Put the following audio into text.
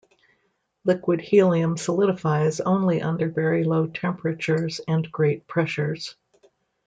Liquid helium solidifies only under very low temperatures and great pressures.